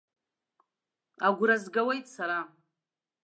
Агәра згауеит сара.